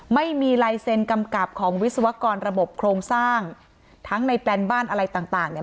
ไม่มีลายเซ็นกำกับของวิศวกรระบบโครงสร้างทั้งในแปลนบ้านอะไรต่างต่างเนี่ย